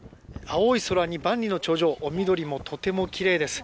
青い空に万里の長城緑もとても奇麗です。